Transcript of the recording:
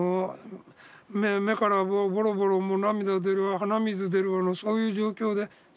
目からボロボロ涙出るわ鼻水出るわのそういう状況で。